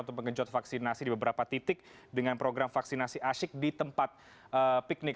untuk mengenjot vaksinasi di beberapa titik dengan program vaksinasi asyik di tempat piknik